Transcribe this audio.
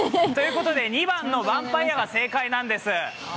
２番のヴァンパイアが正解なんです。